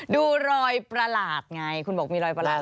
ดูรอยประหลาดไงคุณบอกมีรอยประหลาด